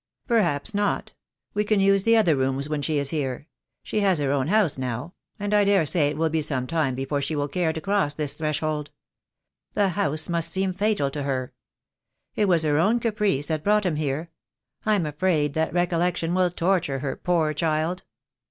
"Perhaps not. We can use the other rooms when she is here. She has her own house now; and I daresay it will be some time before she will care to cross this thres hold. The house must seem fatal to her. It was her own caprice that brought him here. I'm afraid that re collection will torture her, poor child."